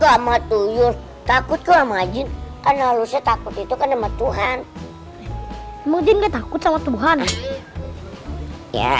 sama tuyul takut sama jin kan harusnya takut itu kan sama tuhan mau jin gak takut sama tuhan ya